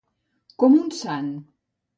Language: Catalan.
Com un sant.